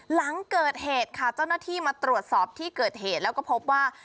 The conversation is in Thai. หลังเกิดเหตุค่ะเจ้าหน้าที่มาตรวจสอบที่เกิดเหตุแล้วก็พบว่า